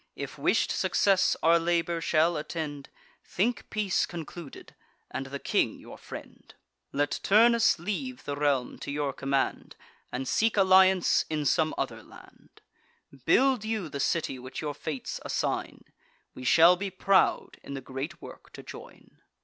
If wish'd success our labour shall attend, Think peace concluded, and the king your friend: Let Turnus leave the realm to your command, And seek alliance in some other land: Build you the city which your fates assign; We shall be proud in the great work to join."